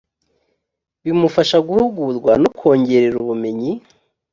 bimufasha guhugurwa no kongerera ubumenyi